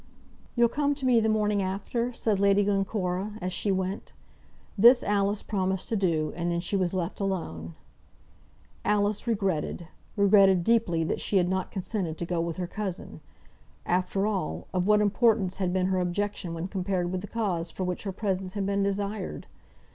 "You'll come to me the morning after," said Lady Glencora, as she went. This Alice promised to do; and then she was left alone. Alice regretted, regretted deeply that she had not consented to go with her cousin. After all, of what importance had been her objection when compared with the cause for which her presence had been desired?